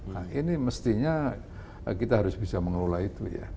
nah ini mestinya kita harus bisa mengelola itu ya